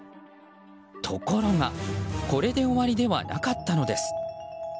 ところが、これで終わりではなかったのです。